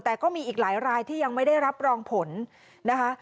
แต่ก็มีอีกหลายรายที่ยังไม่ได้รับรองผลนะคะ